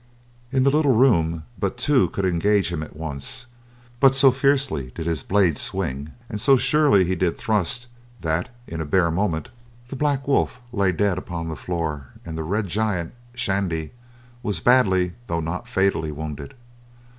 In the little room, but two could engage him at once, but so fiercely did his blade swing and so surely did he thrust that, in a bare moment, The Black Wolf lay dead upon the floor and the red giant, Shandy, was badly, though not fatally wounded.